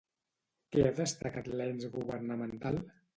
Què ha destacat l'ens governamental?